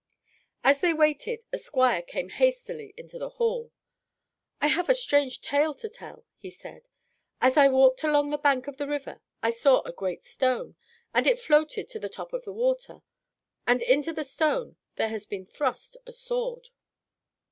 As they waited a squire came hastily into the hall. "I have a strange tale to tell," he said. "As I walked along the bank of the river I saw a great stone, and it floated on the top of the water, and into the stone there has been thrust a sword."